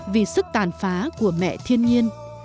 vì sức tàn phá của mẹ thiên nhiên